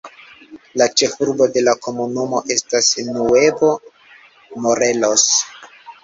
La ĉefurbo de la komunumo estas Nuevo Morelos.